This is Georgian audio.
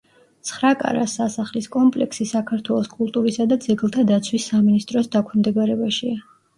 ცხრაკარას სასახლის კომპლექსი საქართველოს კულტურისა და ძეგლთა დაცვის სამინისტროს დაქვემდებარებაშია.